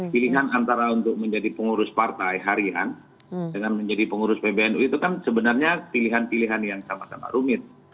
pilihan antara untuk menjadi pengurus partai harian dengan menjadi pengurus pbnu itu kan sebenarnya pilihan pilihan yang sama sama rumit